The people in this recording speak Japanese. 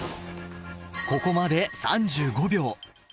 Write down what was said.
ここまで３５秒。